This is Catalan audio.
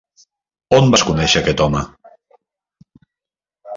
On vas conèixer aquest home?